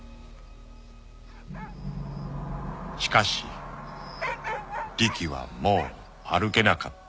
［しかしリキはもう歩けなかった］